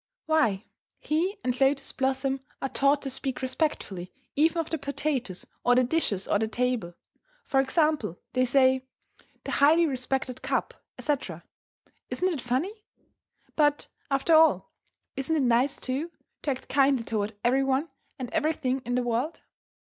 Why! he and Lotus Blossom are taught to speak respectfully even of the potatoes or the dishes or the table. For example, they say, "the highly respected cup," etc. Isn't it funny? But, after all, isn't it nice, too, to act kindly toward every one and everything in the world?